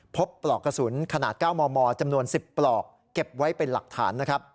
ปลอกกระสุนขนาด๙มมจำนวน๑๐ปลอกเก็บไว้เป็นหลักฐานนะครับ